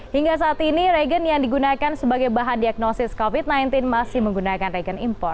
hingga saat ini regen yang digunakan sebagai bahan diagnosis covid sembilan belas masih menggunakan regen impor